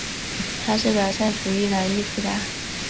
他是表现主义的艺术家。